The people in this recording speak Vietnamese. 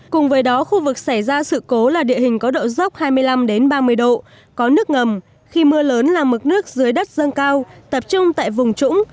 cùng với đó khu vực xảy ra sự cố là địa hình có độ dốc hai mươi năm ba mươi độ có nước ngầm khi mưa lớn làm mực nước dưới đất dâng cao tập trung tại vùng trũng